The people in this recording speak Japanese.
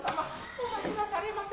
お待ちなされませ。